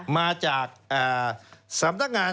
มาจากสำนักงาน